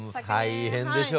大変でしょう。